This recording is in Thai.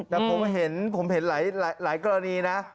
แต่ผมเห็นหลายกรณีนะ